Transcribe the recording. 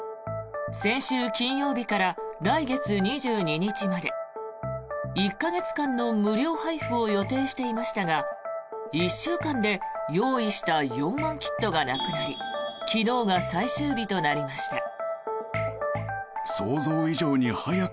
先週金曜日から来月２２日まで１か月間の無料配布を予定していましたが１週間で用意した４万キットがなくなり昨日が最終日となりました。